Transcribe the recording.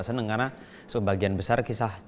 senang karena sebagian besar kisah